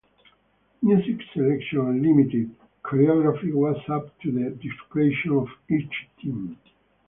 Music selection and limited choreography was up to the discretion of each team.